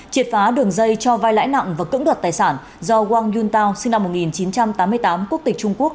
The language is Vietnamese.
triệt phá đường dây cho vai lãi nặng và cưỡng đoạt tài sản do wang yuntao sinh năm một nghìn chín trăm tám mươi tám quốc tịch trung quốc